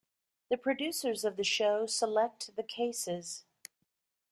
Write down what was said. The producers of the show select the cases.